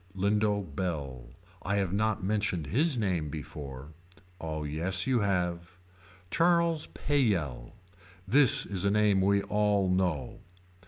Lindo Bell. I have not mentioned his name before. Oh yes you have. Charles Pleyell. This is a name we all know.